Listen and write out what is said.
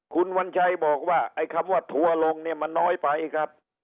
คุณวัญชัยบอกว่าไอ้คำว่าทัวร์ลงเนี่ยมันน้อยไปครับ